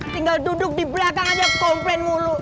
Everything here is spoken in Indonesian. tinggal duduk di belakang aja komplain mulu